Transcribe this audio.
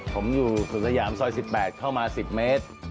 ผมอยู่ขึงสยามซอย๑๘เข้ามา๑๐เมตร